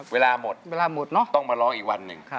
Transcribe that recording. เวลาหมดต้องมาร้องอีกวันนึง